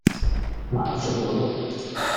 马兹罗勒。